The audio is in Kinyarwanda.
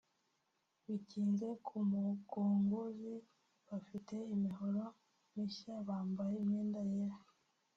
bikinze ku mugunguzi bafite imihoro mishya bambaye imyenda yera